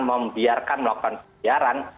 membiarkan melakukan penyiaran